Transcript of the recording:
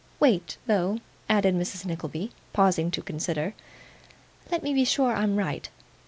Wait, though,' added Mrs. Nickleby, pausing to consider. 'Let me be sure I'm right.